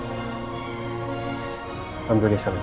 kayaknya saya malah diem dipegang sama ricky